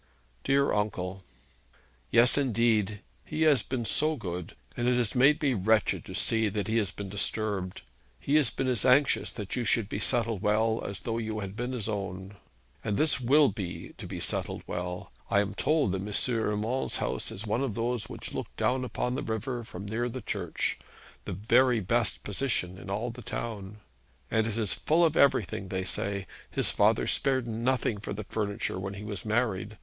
'Dear uncle!' 'Yes, indeed. He has been so good; and it has made me wretched to see that he has been disturbed. He has been as anxious that you should be settled well, as though you had been his own. And this will be to be settled well. I am told that M. Urmand's house is one of those which look down upon the river from near the church; the very best position in all the town. And it is full of everything, they say. His father spared nothing for furniture when he was married.